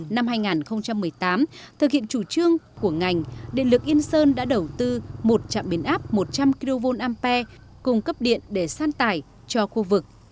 năm hai nghìn một mươi tám thực hiện chủ trương của ngành điện lực yên sơn đã đầu tư một trạm biến áp một trăm linh kv ampe cung cấp điện để san tải cho khu vực